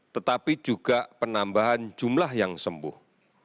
tetapi juga penambahan jumlah yang sembuh